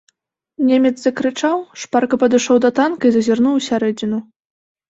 Немец закрычаў, шпарка падышоў да танка і зазірнуў у сярэдзіну.